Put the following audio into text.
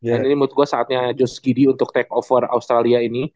jadi menurut gua saatnya josh giddey untuk take over australia ini